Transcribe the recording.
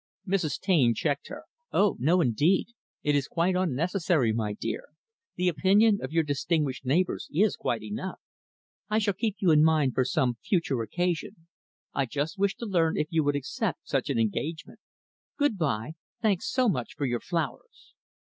Mrs. Taine checked her, "Oh, no, indeed. It is quite unnecessary, my dear. The opinion of your distinguished neighbors is quite enough. I shall keep you in mind for some future occasion. I just wished to learn if you would accept such an engagement. Good by. Thanks so much for your flowers."